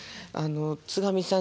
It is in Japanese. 津上さん